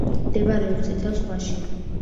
მდებარეობს წითელი ზღვაში.